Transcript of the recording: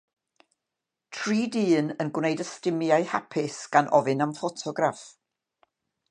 Tri dyn yn gwneud ystumiau hapus gan ofyn am ffotograff